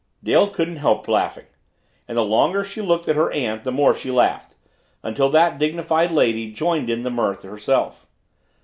Dale couldn't help laughing and the longer she looked at her aunt the more she laughed until that dignified lady joined in the mirth herself.